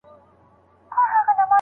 ډېر ویل د قران ښه دي.